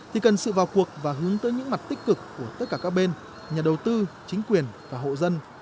thì cần sự vào cuộc và hướng tới những mặt tích cực của tất cả các bên nhà đầu tư chính quyền và hộ dân